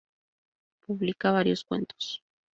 Publica varios cuentos.